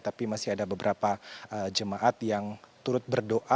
tapi masih ada beberapa jemaat yang turut berdoa